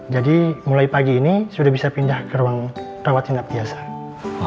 jadi mulai pagi ini sudah bisa pindah ke ruang ari radin gadule somin